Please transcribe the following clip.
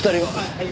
はい。